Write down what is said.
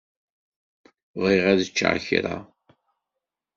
Bɣiɣ ad ččeɣ kra.